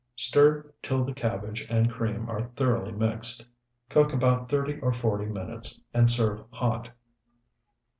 Stir till the cabbage and cream are thoroughly mixed. Cook about thirty or forty minutes, and serve hot.